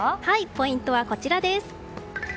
ポイントはこちらです。